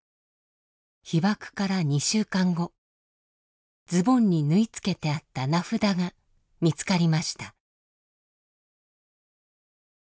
被爆から２週間後ズボンに縫い付けてあった名札が見つかりました。